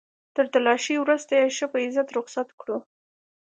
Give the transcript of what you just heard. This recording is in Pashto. تر تلاشۍ وروسته يې ښه په عزت رخصت کړو.